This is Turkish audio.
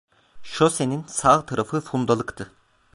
Şosenin sağ tarafı fundalıktı.